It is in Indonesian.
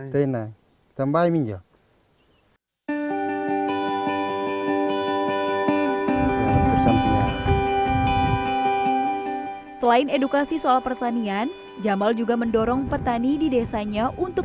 tena tambal minjo selain edukasi soal pertanian jamal juga mendorong petani di desanya untuk